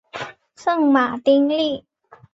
圣马丁利。